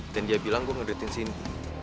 dan dia bilang gue ngedretin sini